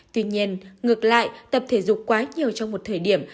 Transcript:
tuy nhiên ngược lại tập thể dục quá nhiều trong một thời điểm